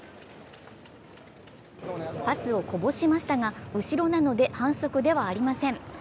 パスをこぼしましたが、後ろなので反則ではありません。